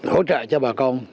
hỗ trợ cho bà con